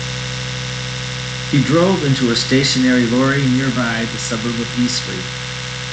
He drove into a stationary lorry nearby the suburb of Eastlea.